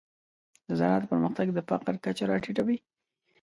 د زراعت پرمختګ د فقر کچه راټیټوي.